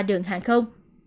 đường hàng không